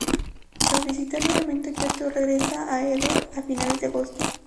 Tras visitar nuevamente Kioto, regresa a Edo a finales de agosto.